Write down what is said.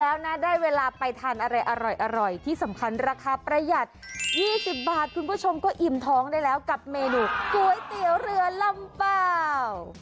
แล้วนะได้เวลาไปทานอะไรอร่อยที่สำคัญราคาประหยัด๒๐บาทคุณผู้ชมก็อิ่มท้องได้แล้วกับเมนูก๋วยเตี๋ยวเรือลำเปล่า